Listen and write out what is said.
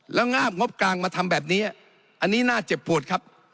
แล้วงาบงบกลางมาทำแบบนี้อันนี้น่าเจ็บปวดครับ